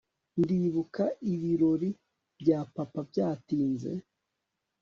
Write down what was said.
ndibuka ibirori bya papa byatinze